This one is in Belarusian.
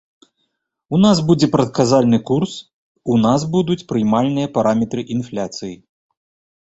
У нас будзе прадказальны курс, у нас будуць прыймальныя параметры інфляцыі.